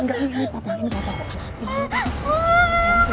ada orang yanggas